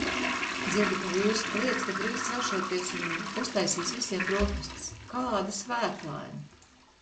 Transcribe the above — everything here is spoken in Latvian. Dzirdu, ka vīrs kliedz, ka drīz celšoties un uztaisīs visiem brokastis. Kāda svētlaime!